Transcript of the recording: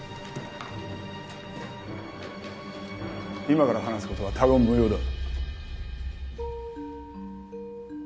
今から話すことは他言無用だ。